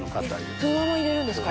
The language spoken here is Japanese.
そのまま入れるんですか？